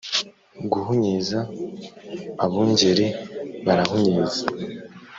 guhunyiza: abungeri barahunyiza